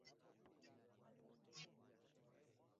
Mfano mpango, mashamba ama kuwa na kazi ndani mwanamuke eko na haki